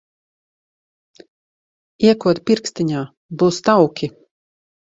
Iekod pirkstiņā, būs tauki.